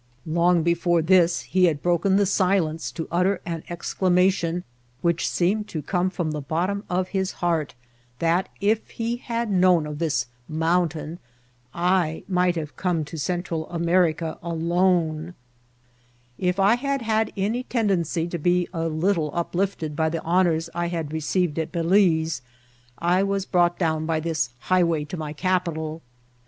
Long before this he had broken silence to ut ter an exclamation which seemed to come fircnn the bottom of his heart, that, if he had known of this ^< mountain," I might have come to Central America alone ; if I had had any tendency to be a little uplifted by the honours I received at Balize, I was brought down by this high way to my capital.